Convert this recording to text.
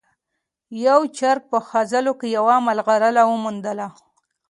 یو چرګ په خځلو کې یوه ملغلره وموندله.